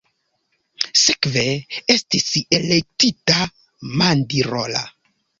Sekve estis elektita Mandirola.